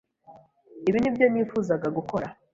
Ibi nibyo nifuzaga gukora.